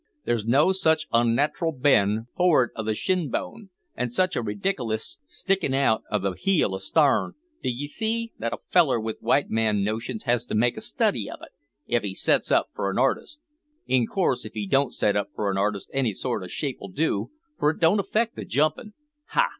There's such an unnat'ral bend for'ard o' the shin bone, an' such a rediklous sticking out o' the heel astarn, d'ee see, that a feller with white man notions has to make a study of it, if he sets up for a artist; in course, if he don't set up for a artist any sort o' shape'll do, for it don't affect the jumpin'. Ha!